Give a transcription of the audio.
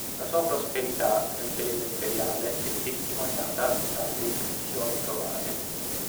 La sua prosperità, nel periodo imperiale, è testimoniata dalle iscrizioni trovate.